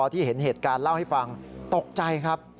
ที่เห็นเหตุการณ์เล่าให้ฟังตกใจครับ